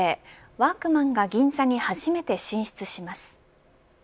ワークマンが銀座に初めて進出します。